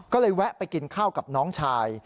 ก็เลยแวะไปกินข้าวกับน้องชาย